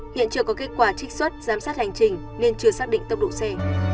hiện chưa có kết quả trích xuất giám sát hành trình nên chưa xác định tốc độ c